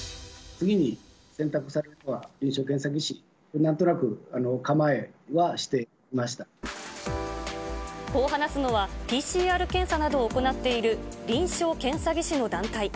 次に選択されるのは臨床検査技師、こう話すのは、ＰＣＲ検査などを行っている臨床検査技師の団体。